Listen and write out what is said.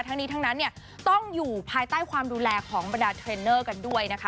ทั้งนี้ทั้งนั้นเนี่ยต้องอยู่ภายใต้ความดูแลของบรรดาเทรนเนอร์กันด้วยนะคะ